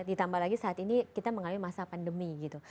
ditambah lagi saat ini kita mengalami masa pandemi gitu